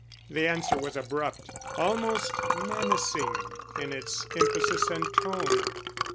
The answer was abrupt, almost menacing in its emphasis and tone.